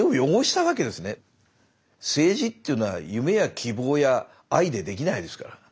政治っていうのは夢や希望や愛でできないですから。